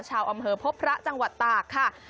ชาวอำเภอพบพระจังหวัดตากค่ะ